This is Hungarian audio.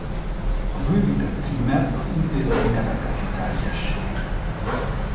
A bővített címert az intézmény neve teszi teljessé.